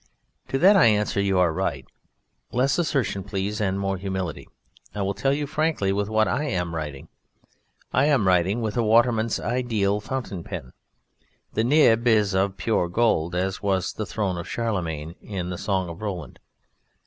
To that I answer you are right. Less assertion, please, and more humility. I will tell you frankly with what I am writing. I am writing with a Waterman's Ideal Fountain Pen. The nib is of pure gold, as was the throne of Charlemagne, in the "Song of Roland."